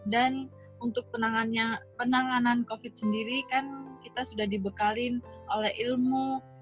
dan untuk penanganan covid sembilan belas sendiri kita sudah dibekali oleh ilmu